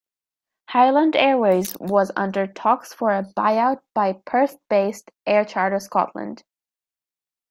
Highland Airways was under talks for a buyout by Perth-based, Air Charter Scotland.